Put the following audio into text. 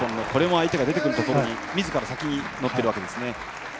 相手が出てくるところに自ら先に乗っているわけですね。